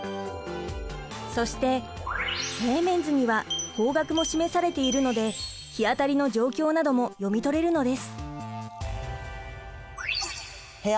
そして平面図には方角も示されているので日当たりの状況なども読み取れるのです。